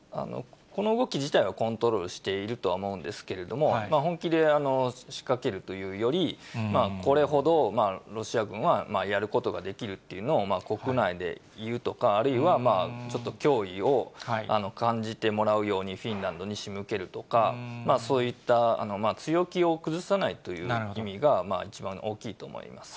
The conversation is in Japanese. この動き自体はコントロールしているとは思うんですけれども、本気で仕掛けるというより、これほどロシア軍はやることができるというのを国内でいうとか、あるいはちょっと脅威を感じてもらうように、フィンランドに仕向けるとか、そういった強気を崩さないという意味が一番大きいと思います。